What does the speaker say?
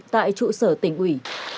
tại trụ sở tỉnh ủy